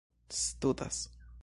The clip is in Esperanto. studas